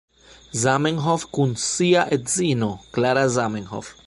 Zamenhof kun sia edzino, Klara Zamenhof.